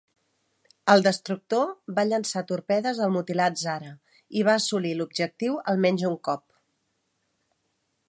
El destructor va llançar torpedes al mutilat "Zara" i va assolir l'objectiu almenys un cop.